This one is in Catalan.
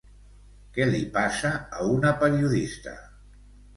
Què li passa a una periodista?